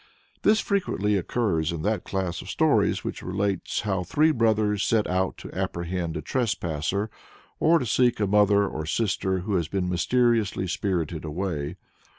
This frequently occurs in that class of stories which relates how three brothers set out to apprehend a trespasser, or to seek a mother or sister who has been mysteriously spirited away.